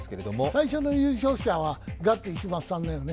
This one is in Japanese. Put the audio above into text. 最初の優勝者はガッツ石松さんだよね。